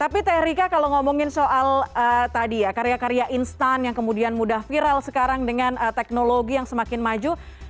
tapi teh rika kalau ngomongin soal tadi ya karya karya instan yang kemudian mudah viral sekarang dengan teknologi yang semakin maju